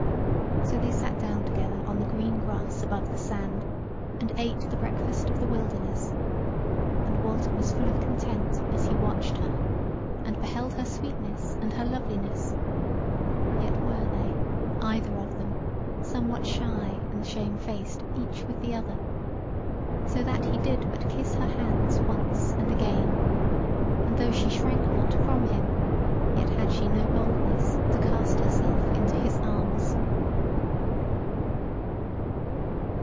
So they sat down together on the green grass above the sand, and ate the breakfast of the wilderness: and Walter was full of content as he watched her, and beheld her sweetness and her loveliness; yet were they, either of them, somewhat shy and shamefaced each with the other; so that he did but kiss her hands once and again, and though she shrank not from him, yet had she no boldness to cast herself into his arms.